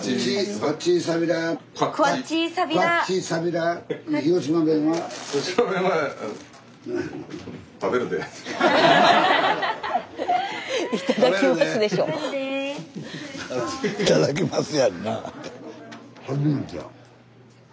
スタジオ「いただきます」やんな。